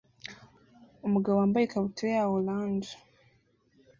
Umugabo wambaye ikabutura ya orange